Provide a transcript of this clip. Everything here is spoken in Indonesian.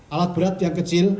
alat berat yang kecil